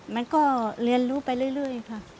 มันก็เรียนรู้ไปเรื่อยค่ะ